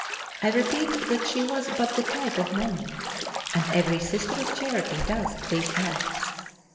I repeat that she was but the type of many, and every Sister of Charity does these acts.